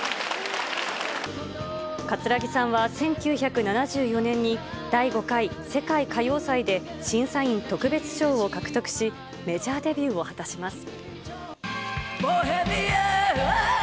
葛城さんは１９７４年に第５回世界歌謡祭で審査員特別賞を獲得し、メジャーデビューを果たします。